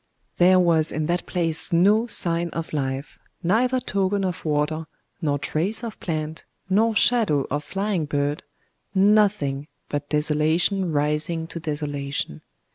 There was in that place no sign of life,—neither token of water, nor trace of plant, nor shadow of flying bird,—nothing but desolation rising to desolation.